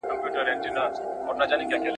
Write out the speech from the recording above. د اسلامي شریعت احکام زموږ د بریالیتوب ضامن دي.